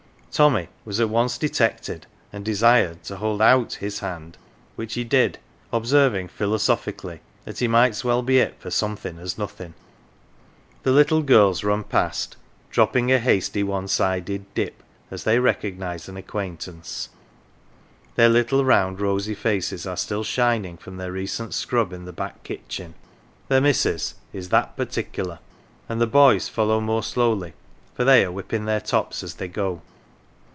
Tommy was at once detected and desired to hold out his hand, which he did, observing philosophically that he might's well be hit for somethin 1 as nothin'. The little girls run past, dropping a hasty one sided " dip " as they recognise an acquaintance ; their little round rosy faces are still shining from their recent scrub in the back kitchen "the missus'" is that partickler and the boys follow more slowly, for they are whipping their tops as they go.